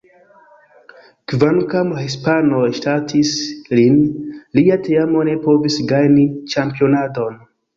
Kvankam la hispanoj ŝatis lin, lia teamo ne povis gajni ĉampionadon.